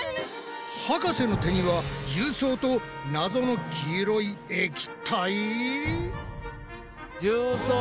博士の手には重曹とナゾの黄色い液体？